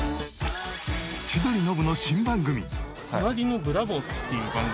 千鳥ノブの新番組。